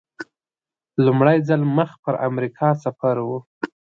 لومړی ځل مخ پر افریقا سفر و.